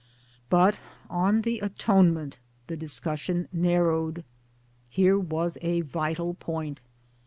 But on the Atonement the discussion narrowed. Here was a vital point.